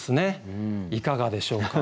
いかがでしょうか？